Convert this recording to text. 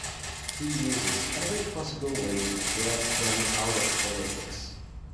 He uses every possible way to get them out of politics.